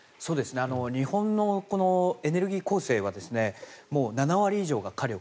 日本のエネルギー構成は７割以上が火力。